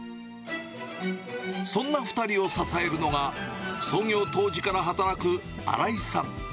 そんな２人を支えるのが、創業当時から働く荒井さん。